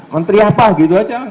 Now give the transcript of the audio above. menteri apa gitu aja